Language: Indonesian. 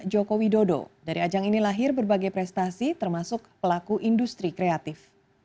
joko widodo dari ajang ini lahir berbagai prestasi termasuk pelaku industri kreatif